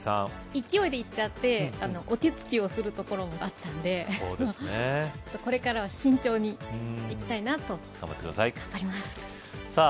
勢いでいっちゃってお手つきをするところもあったんでちょっとこれからは慎重にいきたいなと頑張って下さい頑張りますさぁ